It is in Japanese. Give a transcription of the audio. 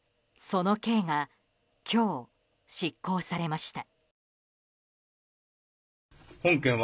その刑が今日、執行されました。